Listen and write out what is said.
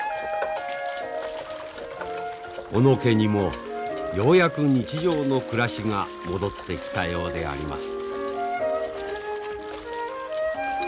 小野家にもようやく日常の暮らしが戻ってきたようであります。